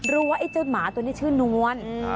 ว่าไอ้เจ้าหมาตัวนี้ชื่อนวล